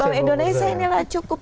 bahwa indonesia inilah cukup